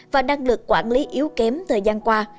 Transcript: và năng lực quản lý yếu kém thời gian qua